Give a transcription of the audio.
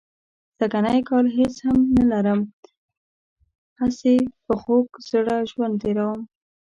سږنی کال هېڅ هم نه لرم، هسې په خوږ زړه ژوند تېروم.